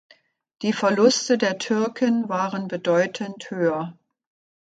Die Verluste der Türken waren bedeutend höher.